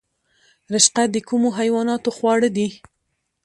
رشقه د کومو حیواناتو خواړه دي؟